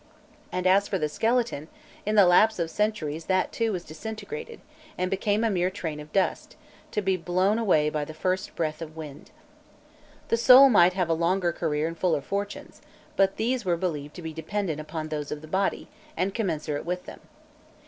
And as for the skeleton, in the lapse of centuries that too was disintegrated and became a mere train of dust, to be blown away by the first breath of wind. The soul might have a longer career and fuller fortunes, but these were believed to be dependent upon those of the body, and commensurate with them.